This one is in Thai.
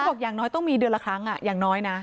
บอกอย่างน้อยต้องมีเดือนละครั้งอย่างน้อยนะ